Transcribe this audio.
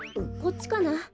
こっちかな？